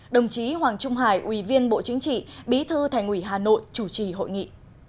đồng chí hoàng trung hải ủy viên bộ chính trị bí thư thành ủy hà nội chủ trì hội nghị